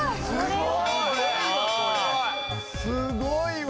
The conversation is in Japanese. すごいわ！